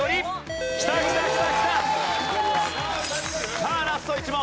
さあラスト１問。